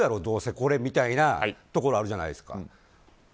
どうせみたいなところあるじゃないですか。